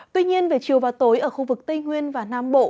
tuy nhiên về chiều và tối ở khu vực tây nguyên và nam bộ